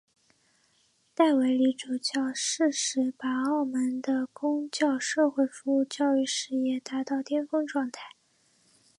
戴维理主教适时把澳门的公教社会服务教育事业达到巅峰状态。